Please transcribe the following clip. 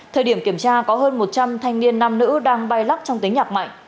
thời điểm kiểm tra có hơn một trăm linh thanh niên nam nữ đang bay lắc trong tiếng nhạc mạnh